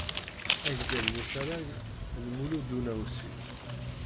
Agdal n usarag n Mulud Lunawsi.